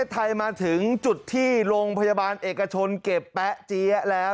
ไทยมาถึงจุดที่โรงพยาบาลเอกชนเก็บแป๊ะเจี๊ยะแล้ว